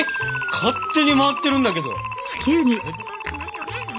勝手に回ってるんだけど！